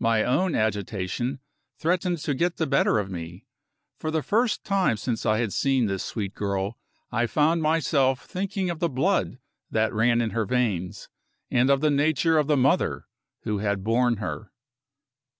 My own agitation threatened to get the better of me. For the first time since I had seen this sweet girl, I found myself thinking of the blood that ran in her veins, and of the nature of the mother who had borne her.